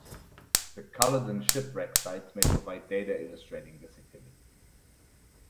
The Culloden shipwreck site may provide data illustrating this activity.